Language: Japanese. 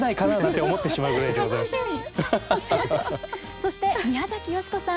そして宮崎美子さん